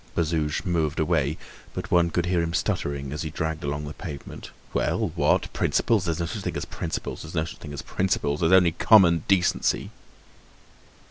Bazouge moved away, but one could hear him stuttering as he dragged along the pavement: "Well! What? Principles! There's no such thing as principles, there's no such thing as principles—there's only common decency!"